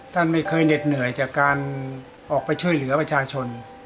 ท่านไม่เคยเหน็ดเหนื่อยจากการออกไปช่วยเหลือประชาชน